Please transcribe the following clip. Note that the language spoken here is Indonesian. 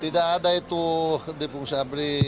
tidak ada yang dikutuk dipungsi abli